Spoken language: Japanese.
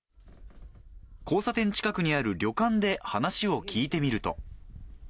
交差点近くにある旅館で話を聞いてみると。